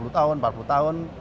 tiga puluh tahun empat puluh tahun